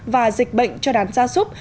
và dịch bệnh cho đàn gia súc